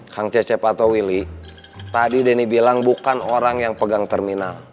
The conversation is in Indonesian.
kang cecep atau willy tadi denny bilang bukan orang yang pegang terminal